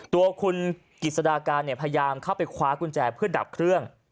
ตัวคุณกิจสดาการพยายามเข้าไปคว้ากุญแจเพื่อดับเครื่อง